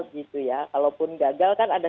gitu ya kalaupun gagal kan ada